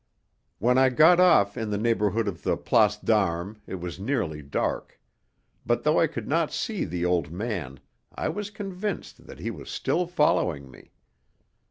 When I got off in the neighbourhood of the Place d'Armes it was nearly dark; but though I could not see the old man, I was convinced that he was still following me.